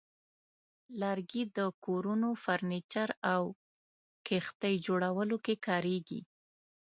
لرګي د کورونو، فرنیچر، او کښتۍ جوړولو کې کارېږي.